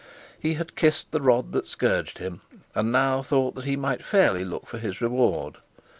He had kissed the rod that scourged him, and now thought that he might fairly look for his reward.